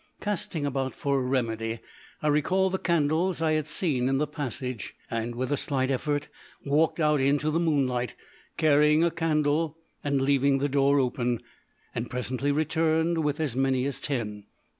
Casting about for a remedy, I recalled the candles I had seen in the passage, and, with a slight effort, walked out into the moonlight, carrying a candle and leaving the door open, and presently returned with as many as ten.